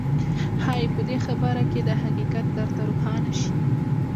ښايي په دې خبره کې دا حقيقت درته روښانه شي.